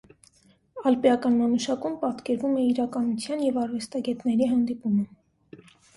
«Ալպիական մանուշակում» պատկերվում է իրականության և արվեստագետների հանդիպումը։